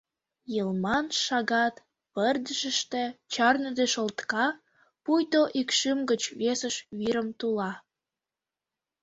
Йылман шагат пырдыжыште чарныде шолтка, пуйто ик шӱм гыч весыш вӱрым тула.